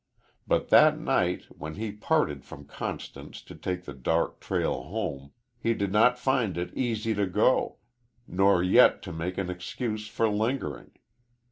But that night, when he parted from Constance to take the dark trail home, he did not find it easy to go, nor yet to make an excuse for lingering.